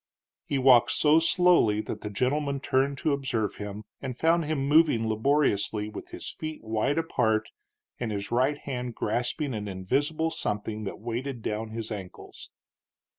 He walked so slowly that the gentleman turned to observe him, and found him moving laboriously, with his feet wide apart and his right hand grasping an invisible something that weighted down his ankles.